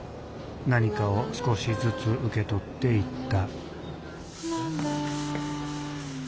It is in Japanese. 何かを少しずつ受け取っていった